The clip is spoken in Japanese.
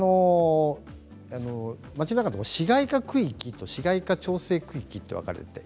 町の中市街化区域と市街化調整区域と分かれているんです。